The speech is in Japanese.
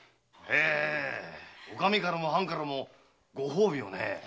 お上からも藩からもご褒美をねえ。